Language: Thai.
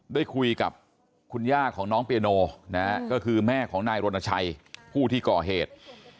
ได้คุยกับคุณย่าของน้องเปียโนนะฮะก็คือแม่ของนายรณชัยผู้ที่ก่อเหตุ